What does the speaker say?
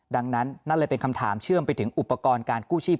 ดังนั้นนั่นเลยเป็นคำถามเชื่อมไปถึงอุปกรณ์การกู้ชีพ